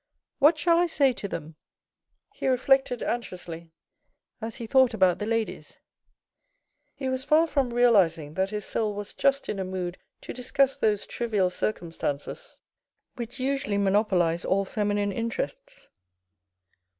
" What shall I say to them ?" he reflected anxiously, as he thought about the ladies. He was far from realising that his soul was just in a mood to discuss those trivial circumstances which usually monopolise all feminine interests.